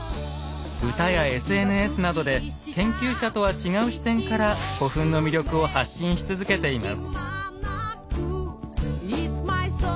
歌やＳＮＳなどで研究者とは違う視点から古墳の魅力を発信し続けています。